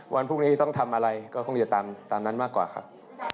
วันพรุ่งนี้ต้องทำอะไรก็คงจะตามนั้นมากกว่าครับ